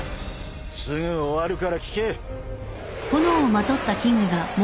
すぐ終わるから聞け。